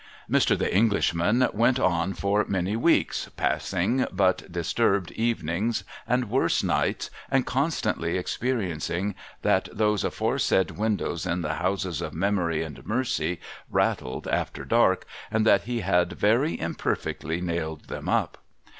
Mr. The Englishman went on for many weeks passing but dis turbed evenings and worse nights, and constantly experiencing that those aforesaid windows in the houses of Memory and Mercy rattled after dark, and that he had very imperfectly nailed them up.